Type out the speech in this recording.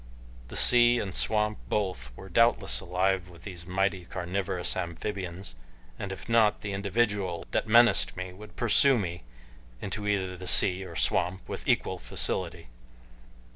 The sea and swamp both were doubtless alive with these mighty, carnivorous amphibians, and if not, the individual that menaced me would pursue me into either the sea or the swamp with equal facility.